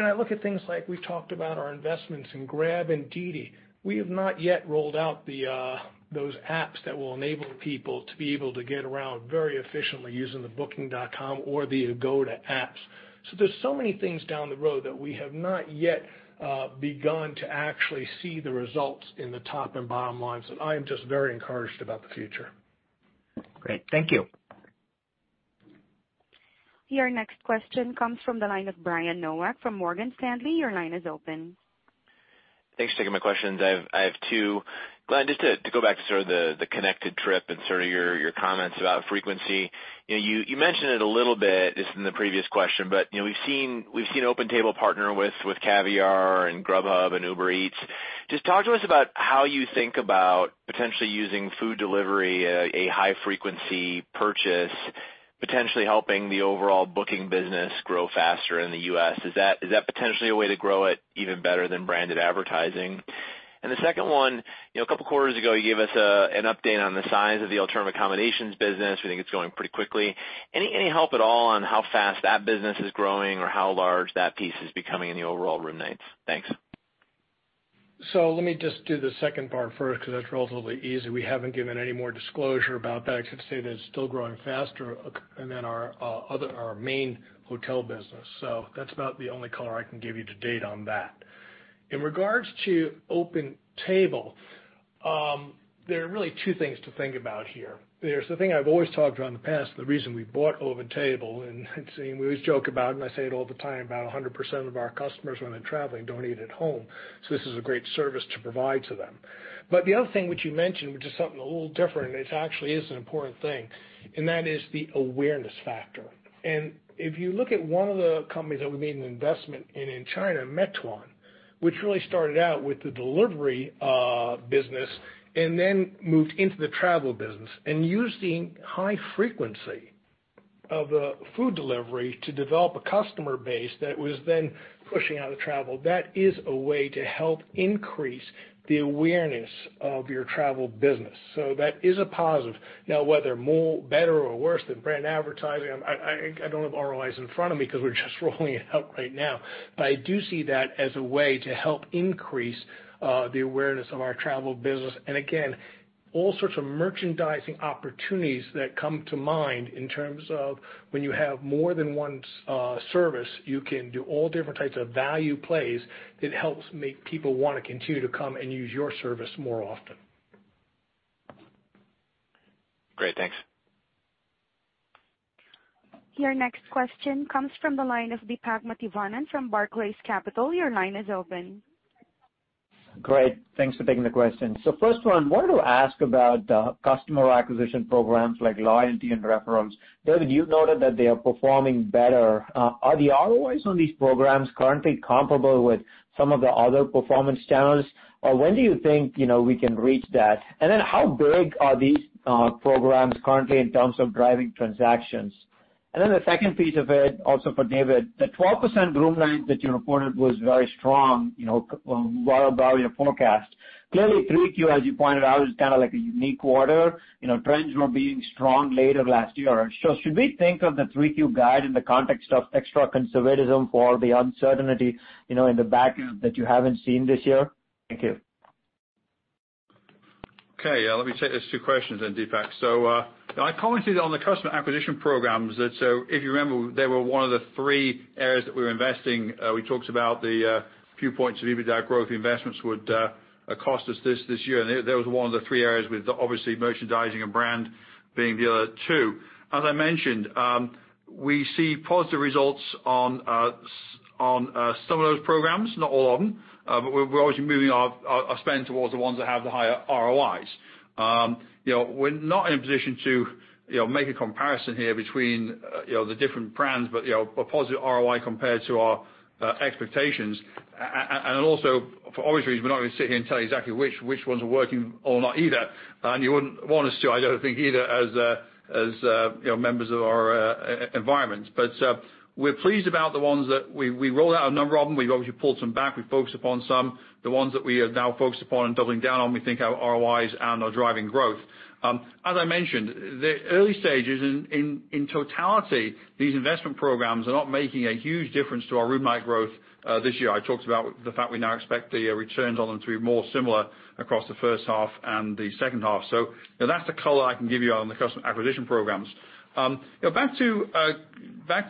Speaker 2: I look at things like we talked about our investments in Grab and DiDi, we have not yet rolled out those apps that will enable people to be able to get around very efficiently using the Booking.com or the Booking.com apps. There's so many things down the road that we have not yet begun to actually see the results in the top and bottom lines, and I am just very encouraged about the future.
Speaker 8: Great. Thank you.
Speaker 1: Your next question comes from the line of Brian Nowak from Morgan Stanley. Your line is open.
Speaker 9: Thanks for taking my questions. I have two. Glenn, just to go back to sort of the connected trip and sort of your comments about frequency. You mentioned it a little bit just in the previous question. We've seen OpenTable partner with Caviar and Grubhub and Uber Eats. Just talk to us about how you think about potentially using food delivery, a high-frequency purchase, potentially helping the overall booking business grow faster in the U.S. Is that potentially a way to grow it even better than branded advertising? The second one, a couple quarters ago, you gave us an update on the size of the alternative accommodations business. We think it's growing pretty quickly. Any help at all on how fast that business is growing or how large that piece is becoming in the overall room nights? Thanks.
Speaker 2: Let me just do the second part first because that's relatively easy. We haven't given any more disclosure about that, except to say that it's still growing faster than our main hotel business. That's about the only color I can give you to date on that. In regards to OpenTable, there are really two things to think about here. There's the thing I've always talked about in the past, the reason we bought OpenTable, and we always joke about, and I say it all the time, about 100% of our customers when they're traveling don't eat at home. This is a great service to provide to them. The other thing which you mentioned, which is something a little different, it actually is an important thing, and that is the awareness factor. If you look at one of the companies that we made an investment in in China, Meituan, which really started out with the delivery business and then moved into the travel business and using high frequency of the food delivery to develop a customer base that was then pushing out of travel. That is a way to help increase the awareness of your travel business. That is a positive. Now, whether more, better or worse than brand advertising, I don't have ROI in front of me because we're just rolling it out right now. I do see that as a way to help increase the awareness of our travel business. Again, all sorts of merchandising opportunities that come to mind in terms of when you have more than one service, you can do all different types of value plays that helps make people want to continue to come and use your service more often.
Speaker 9: Great. Thanks.
Speaker 1: Your next question comes from the line of Deepak Mathivanan from Barclays Capital. Your line is open.
Speaker 10: Great. Thanks for taking the question. First one, wanted to ask about customer acquisition programs like loyalty and referrals. David, you noted that they are performing better. Are the ROIs on these programs currently comparable with some of the other performance channels? When do you think we can reach that? How big are these programs currently in terms of driving transactions? The second piece of it, also for David. The 12% room nights that you reported was very strong, well above your forecast. Clearly, 3Q, as you pointed out, is kind of like a unique quarter. Trends were being strong later last year. Should we think of the 3Q guide in the context of extra conservatism for the uncertainty in the background that you haven't seen this year? Thank you.
Speaker 3: Let me take those two questions then, Deepak. I commented on the customer acquisition programs. If you remember, they were one of the three areas that we were investing. We talked about the few points of EBITDA growth investments would cost us this year, and that was one of the three areas with obviously merchandising and brand being the other two. As I mentioned, we see positive results on some of those programs, not all of them, but we're obviously moving our spend towards the ones that have the higher ROIs. We're not in a position to make a comparison here between the different brands, but a positive ROI compared to our expectations. Also, for obvious reasons, we're not going to sit here and tell you exactly which ones are working or not either, and you wouldn't want us to, I don't think either as members of our environment. We're pleased about the ones that we rolled out a number of them. We've obviously pulled some back. We've focused upon some, the ones that we are now focused upon and doubling down on, we think have ROIs and are driving growth. As I mentioned, the early stages in totality, these investment programs are not making a huge difference to our room night growth this year. I talked about the fact we now expect the returns on them to be more similar across the first half and the second half. That's the color I can give you on the customer acquisition programs. Back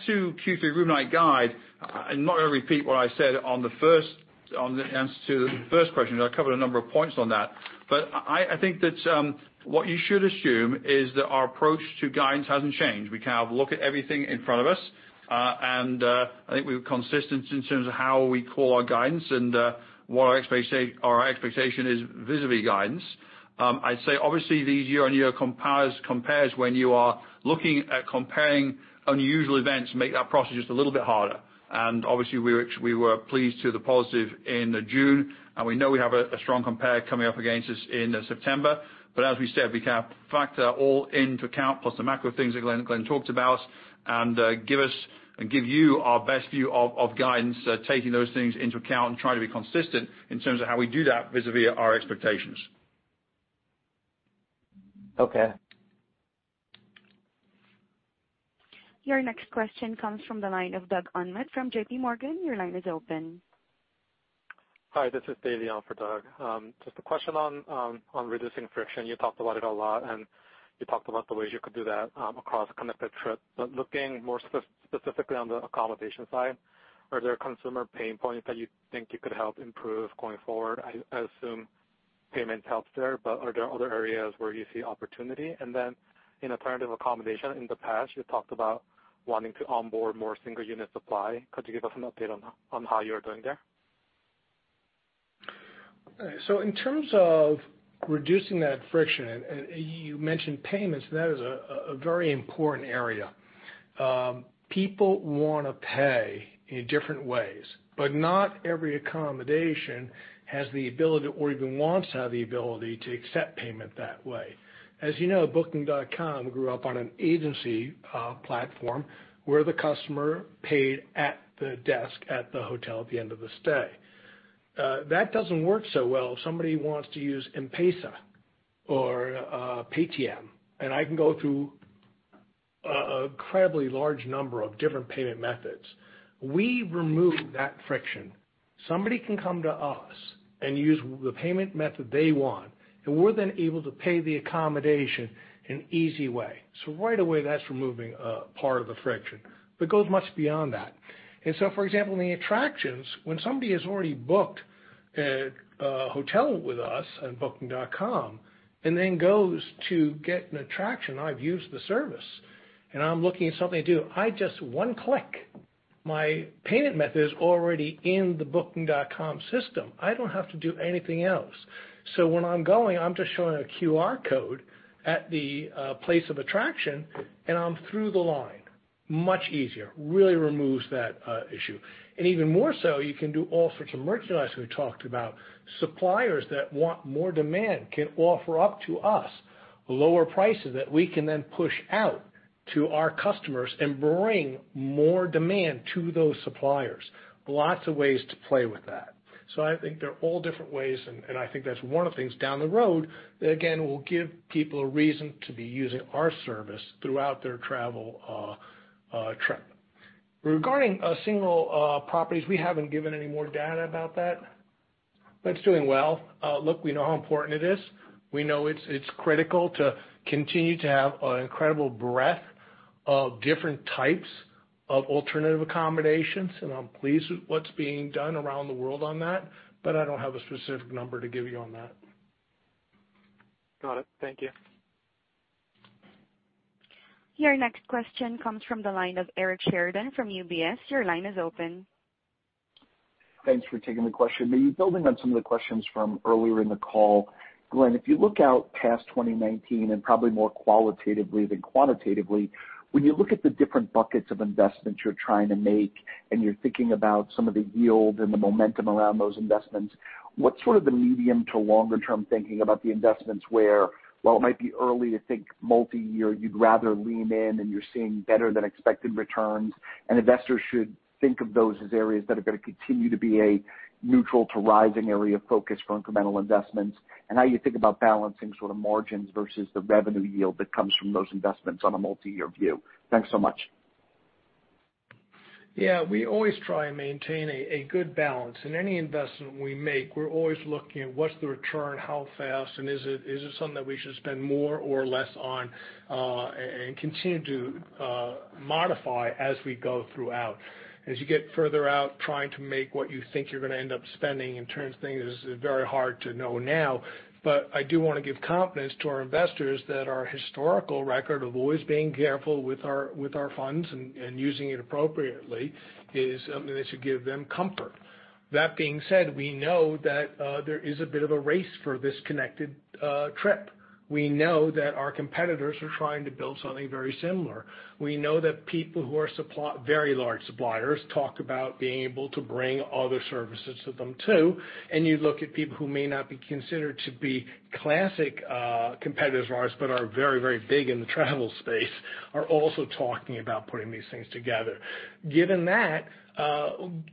Speaker 3: to Q3 room night guide, I'm not going to repeat what I said to the first question, I covered a number of points on that. I think that what you should assume is that our approach to guidance hasn't changed. We look at everything in front of us, I think we're consistent in terms of how we call our guidance and what our expectation is vis-a-vis guidance. I'd say obviously these year-on-year compares when you are looking at comparing unusual events, make that process just a little bit harder. Obviously, we were pleased to the positive in June, and we know we have a strong compare coming up against us in September. As we said, we factor that all into account plus the macro things that Glenn talked about and give you our best view of guidance, taking those things into account and try to be consistent in terms of how we do that vis-a-vis our expectations.
Speaker 10: Okay.
Speaker 1: Your next question comes from the line of Douglas Anmuth from JP Morgan. Your line is open.
Speaker 11: Hi, this is Dave in for Doug. A question on reducing friction. You talked about it a lot, and you talked about the ways you could do that across connected trips, but looking more specifically on the accommodation side, are there consumer pain points that you think you could help improve going forward? I assume payment helps there. Are there other areas where you see opportunity? In alternative accommodation in the past, you talked about wanting to onboard more single unit supply. Could you give us an update on how you're doing there?
Speaker 3: In terms of reducing that friction, and you mentioned payments, that is a very important area. People want to pay in different ways, but not every accommodation has the ability or even wants to have the ability to accept payment that way. As you know, Booking.com grew up on an agency platform where the customer paid at the desk at the hotel at the end of the stay. That doesn't work so well if somebody wants to use M-PESA or Paytm, and I can go through an incredibly large number of different payment methods. We remove that friction. Somebody can come to us and use the payment method they want, and we're then able to pay the accommodation in an easy way. Right away, that's removing a part of the friction. It goes much beyond that.
Speaker 2: For example, in the attractions, when somebody has already booked a hotel with us on Booking.com and then goes to get an attraction, I've used the service and I'm looking at something to do. I just one click, my payment method is already in the Booking.com system. I don't have to do anything else. When I'm going, I'm just showing a QR code at the place of attraction and I'm through the line. Much easier. Really removes that issue. Even more so, you can do all sorts of merchandise we talked about. Suppliers that want more demand can offer up to us lower prices that we can then push out to our customers and bring more demand to those suppliers. Lots of ways to play with that. I think they're all different ways, and I think that's one of the things down the road that again, will give people a reason to be using our service throughout their travel trip. Regarding single properties, we haven't given any more data about that, but it's doing well. Look, we know how important it is. We know it's critical to continue to have an incredible breadth of different types of alternative accommodations, and I'm pleased with what's being done around the world on that, but I don't have a specific number to give you on that.
Speaker 11: Got it. Thank you.
Speaker 1: Your next question comes from the line of Eric Sheridan from UBS. Your line is open.
Speaker 12: Thanks for taking the question. Maybe building on some of the questions from earlier in the call. Glenn, if you look out past 2019 and probably more qualitatively than quantitatively, when you look at the different buckets of investments you're trying to make and you're thinking about some of the yield and the momentum around those investments, what's sort of the medium to longer term thinking about the investments where, while it might be early to think multi-year, you'd rather lean in and you're seeing better than expected returns, and investors should think of those as areas that are going to continue to be a neutral to rising area of focus for incremental investments, and how you think about balancing sort of margins versus the revenue yield that comes from those investments on a multi-year view? Thanks so much.
Speaker 3: Yeah, we always try and maintain a good balance. In any investment we make, we're always looking at what's the return, how fast, and is it something that we should spend more or less on, and continue to modify as we go throughout. As you get further out, trying to make what you think you're going to end up spending in terms of things is very hard to know now. I do want to give confidence to our investors that our historical record of always being careful with our funds and using it appropriately is something that should give them comfort. That being said, we know that there is a bit of a race for this connected trip.
Speaker 2: We know that our competitors are trying to build something very similar. We know that people who are very large suppliers talk about being able to bring other services to them too. You look at people who may not be considered to be classic competitors of ours, but are very, very big in the travel space, are also talking about putting these things together. Given that,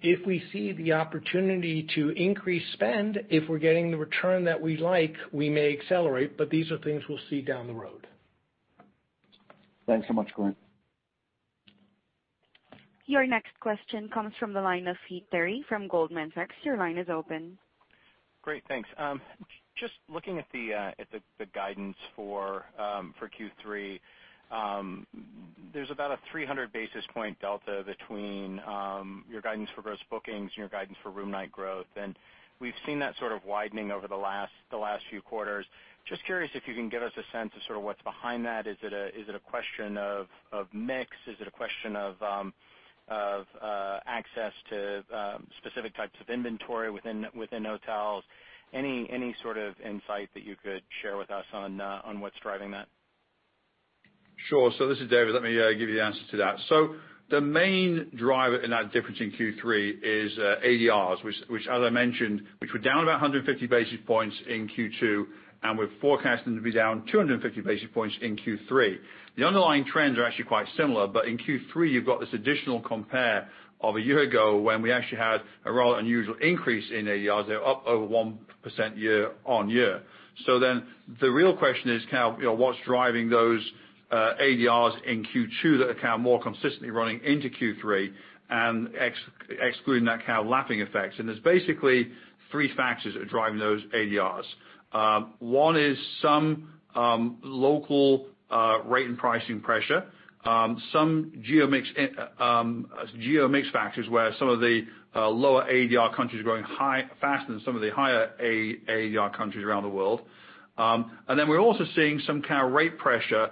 Speaker 2: if we see the opportunity to increase spend, if we're getting the return that we like, we may accelerate, but these are things we'll see down the road.
Speaker 12: Thanks so much, Glenn.
Speaker 1: Your next question comes from the line of Heath Terry from Goldman Sachs. Your line is open.
Speaker 13: Great. Thanks. Just looking at the guidance for Q3. There's about a 300 basis point delta between your guidance for gross bookings and your guidance for room night growth. We've seen that sort of widening over the last few quarters. Just curious if you can give us a sense of sort of what's behind that. Is it a question of mix? Is it a question of access to specific types of inventory within hotels? Any sort of insight that you could share with us on what's driving that?
Speaker 3: Sure. This is David. Let me give you the answer to that. The main driver in that difference in Q3 is ADRs, which as I mentioned, which were down about 150 basis points in Q2, and we're forecasting to be down 250 basis points in Q3. The underlying trends are actually quite similar, in Q3, you've got this additional compare of a year ago when we actually had a rather unusual increase in ADRs. They were up over 1% year-on-year. The real question is what's driving those ADRs in Q2 that are more consistently running into Q3 and excluding that kind of lapping effects. There's basically three factors that are driving those ADRs. One is some local rate and pricing pressure, some geo mix factors where some of the lower ADR countries are growing faster than some of the higher ADR countries around the world. We're also seeing some kind of rate pressure,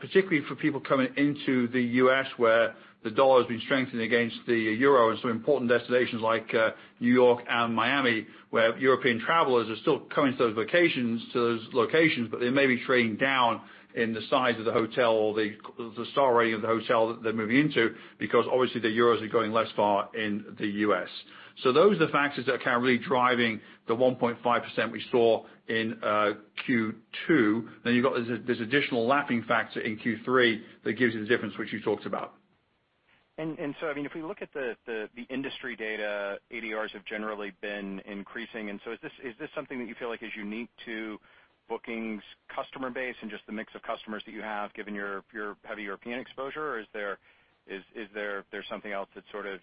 Speaker 3: particularly for people coming into the U.S., where the dollar has been strengthening against the euro in some important destinations like New York and Miami, where European travelers are still coming to those locations, but they may be trading down in the size of the hotel or the star rating of the hotel that they're moving into because obviously the euros are going less far in the U.S. Those are the factors that are kind of really driving the 1.5% we saw in Q2. You've got this additional lapping factor in Q3 that gives you the difference which you talked about.
Speaker 13: If we look at the industry data, ADRs have generally been increasing, and so is this something that you feel like is unique to bookings customer base and just the mix of customers that you have given your heavy European exposure? Or is there something else that's sort of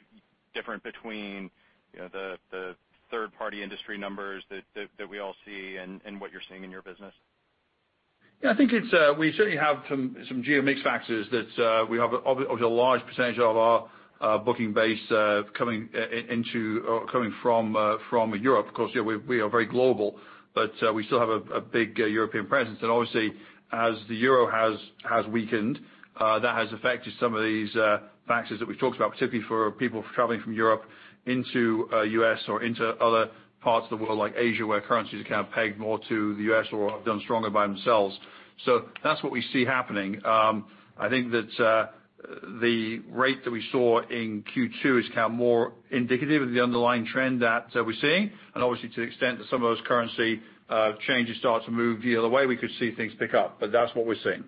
Speaker 13: different between the third party industry numbers that we all see and what you're seeing in your business?
Speaker 3: Yeah, I think we certainly have some geo mix factors that we have obviously a large percentage of our booking base coming from Europe. Of course, we are very global, but we still have a big European presence. Obviously as the euro has weakened, that has affected some of these factors that we've talked about, particularly for people traveling from Europe into U.S. or into other parts of the world like Asia, where currencies are kind of pegged more to the U.S. or have done stronger by themselves. That's what we see happening. I think that the rate that we saw in Q2 is kind of more indicative of the underlying trend that we're seeing. Obviously, to the extent that some of those currency changes start to move the other way, we could see things pick up. That's what we're seeing.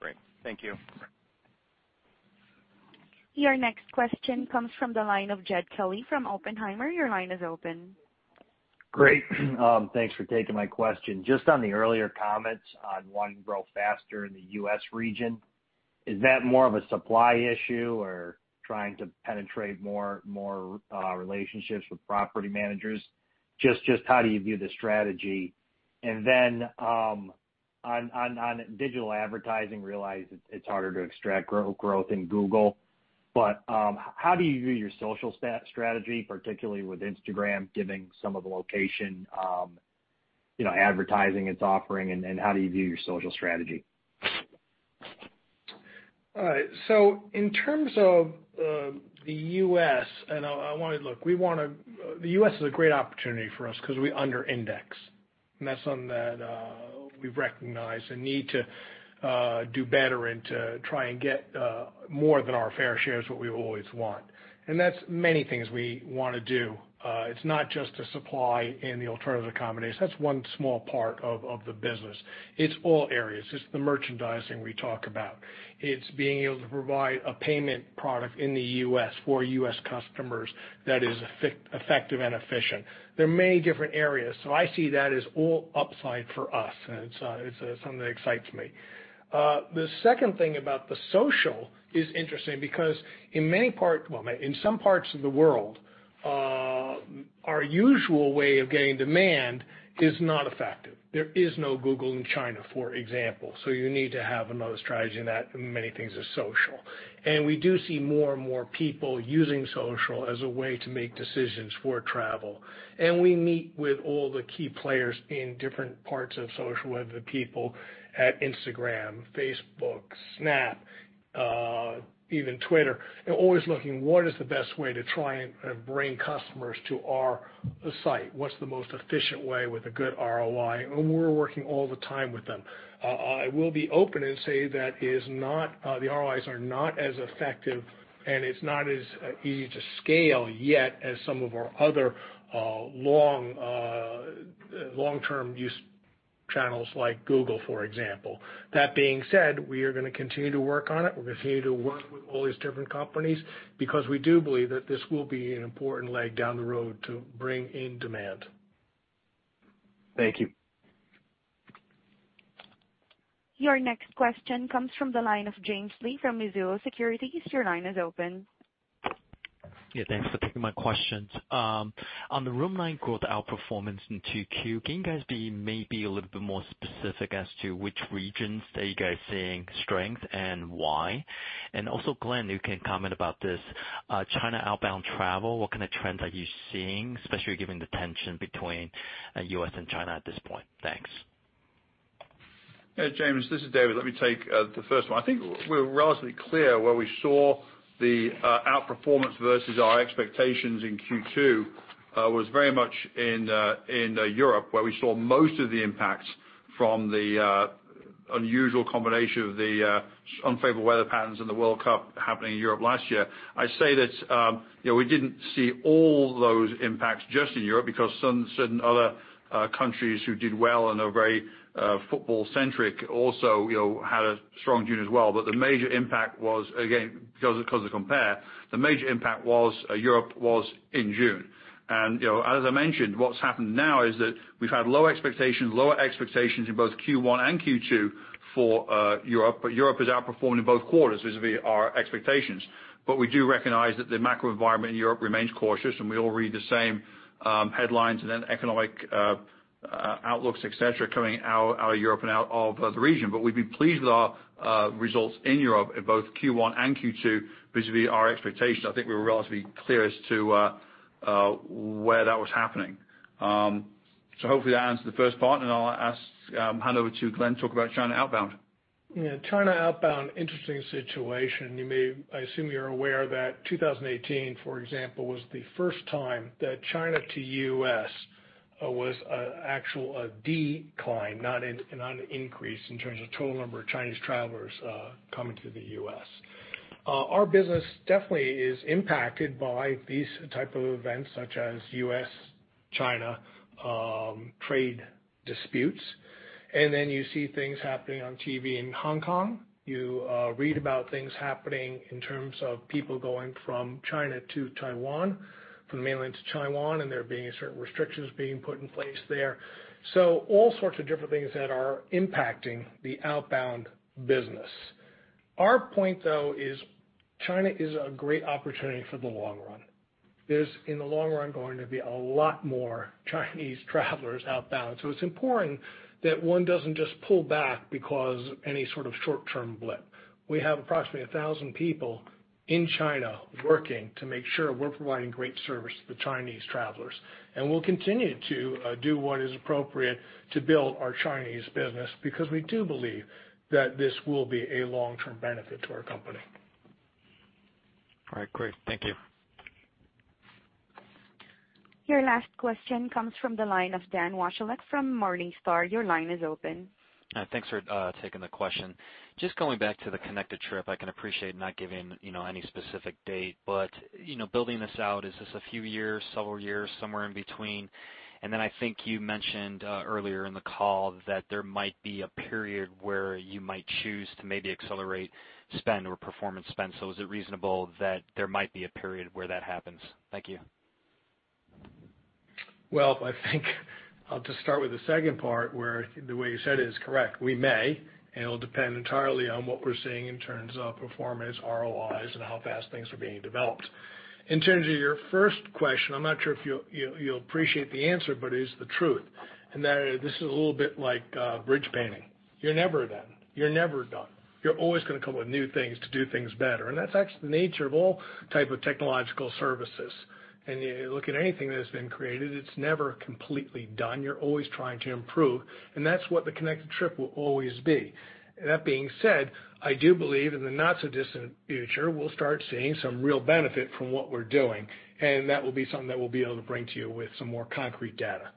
Speaker 13: Great. Thank you.
Speaker 1: Your next question comes from the line of Jed Kelly from Oppenheimer. Your line is open.
Speaker 14: Great. Thanks for taking my question. Just on the earlier comments on wanting to grow faster in the U.S. region, is that more of a supply issue or trying to penetrate more relationships with property managers? Just how do you view the strategy? On digital advertising, realize it's harder to extract growth in Google, but how do you view your social strategy, particularly with Instagram, giving some of the location advertising it's offering?
Speaker 2: All right. In terms of the U.S., the U.S. is a great opportunity for us because we underindex. That's something that we've recognized a need to do better and to try and get more than our fair share is what we always want. That's many things we want to do. It's not just a supply in the alternative accommodation. That's one small part of the business. It's all areas. It's the merchandising we talk about. It's being able to provide a payment product in the U.S. for U.S. customers that is effective and efficient. There are many different areas, so I see that as all upside for us, and it's something that excites me. The second thing about the social is interesting because in some parts of the world, our usual way of getting demand is not effective. There is no Google in China, for example, so you need to have another strategy in that, and many things are social. We do see more and more people using social as a way to make decisions for travel. We meet with all the key players in different parts of social, whether the people at Instagram, Facebook, Snap, even Twitter, and always looking what is the best way to try and bring customers to our A site. What's the most efficient way with a good ROI? We're working all the time with them. I will be open and say that the ROIs are not as effective, and it's not as easy to scale yet as some of our other long-term use channels like Google, for example. That being said, we are going to continue to work on it. We're going to continue to work with all these different companies because we do believe that this will be an important leg down the road to bring in demand.
Speaker 14: Thank you.
Speaker 1: Your next question comes from the line of James Lee from Mizuho Securities. Your line is open.
Speaker 15: Yeah, thanks for taking my questions. On the room night growth outperformance in 2Q, can you guys be maybe a little bit more specific as to which regions that you guys are seeing strength and why? Also, Glenn, you can comment about this. China outbound travel, what kind of trends are you seeing, especially given the tension between U.S. and China at this point? Thanks.
Speaker 3: Yeah, James, this is David. Let me take the first one. I think we're relatively clear where we saw the outperformance versus our expectations in Q2 was very much in Europe, where we saw most of the impact from the unusual combination of the unfavorable weather patterns and the World Cup happening in Europe last year. I say that we didn't see all those impacts just in Europe because some certain other countries who did well and are very football-centric also had a strong June as well. The major impact was, again, because to compare, the major impact was Europe was in June. As I mentioned, what's happened now is that we've had low expectations, lower expectations in both Q1 and Q2 for Europe, but Europe has outperformed in both quarters vis-a-vis our expectations. We do recognize that the macro environment in Europe remains cautious, and we all read the same headlines and then economic outlooks, et cetera, coming out of Europe and out of the region. We'd be pleased with our results in Europe in both Q1 and Q2 vis-a-vis our expectation. I think we were relatively clear as to where that was happening. Hopefully that answers the first part, and I'll hand over to Glenn to talk about China outbound.
Speaker 2: Yeah, China outbound, interesting situation. I assume you're aware that 2018, for example, was the first time that China to U.S. was actual a decline, not an increase in terms of total number of Chinese travelers coming to the U.S. Our business definitely is impacted by these type of events, such as U.S.-China trade disputes. You see things happening on TV in Hong Kong. You read about things happening in terms of people going from China to Taiwan, from the mainland to Taiwan, and there being certain restrictions being put in place there. All sorts of different things that are impacting the outbound business. Our point, though, is China is a great opportunity for the long run. There's, in the long run, going to be a lot more Chinese travelers outbound. It's important that one doesn't just pull back because any sort of short-term blip. We have approximately 1,000 people in China working to make sure we're providing great service to the Chinese travelers. We'll continue to do what is appropriate to build our Chinese business because we do believe that this will be a long-term benefit to our company.
Speaker 15: All right, great. Thank you.
Speaker 1: Your last question comes from the line of Dan Wasiolek from Morningstar. Your line is open.
Speaker 16: Thanks for taking the question. Just going back to the connected trip, I can appreciate not giving any specific date, but building this out, is this a few years, several years, somewhere in between? I think you mentioned earlier in the call that there might be a period where you might choose to maybe accelerate spend or performance spend. Is it reasonable that there might be a period where that happens? Thank you.
Speaker 2: Well, I think I'll just start with the second part, where the way you said it is correct. We may, and it'll depend entirely on what we're seeing in terms of performance, ROIs, and how fast things are being developed. In terms of your first question, I'm not sure if you'll appreciate the answer, but it is the truth, and that this is a little bit like bridge painting. You're never done. You're never done. You're always going to come up with new things to do things better, and that's actually the nature of all type of technological services. You look at anything that has been created, it's never completely done. You're always trying to improve, and that's what the connected trip will always be. That being said, I do believe in the not so distant future, we'll start seeing some real benefit from what we're doing, and that will be something that we'll be able to bring to you with some more concrete data.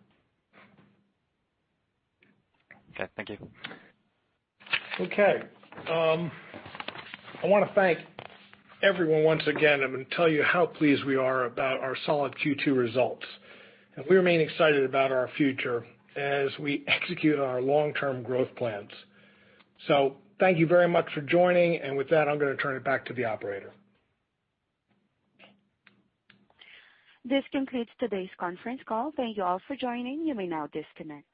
Speaker 16: Okay, thank you.
Speaker 2: Okay. I want to thank everyone once again and tell you how pleased we are about our solid Q2 results. We remain excited about our future as we execute on our long-term growth plans. Thank you very much for joining, and with that, I'm going to turn it back to the operator.
Speaker 1: This concludes today's conference call. Thank you all for joining. You may now disconnect.